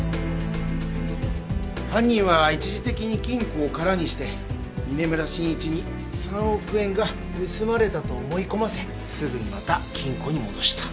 犯人は一時的に金庫を空にして嶺村信一に３億円が盗まれたと思い込ませすぐにまた金庫に戻した